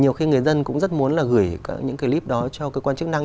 nhiều khi người dân cũng rất muốn là gửi những clip đó cho cơ quan chức năng